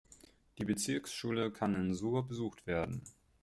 Die Bezirksschule kann in Suhr besucht werden.